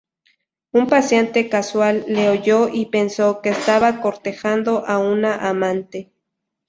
Un paseante casual le oyó y pensó que estaba cortejando a una amante.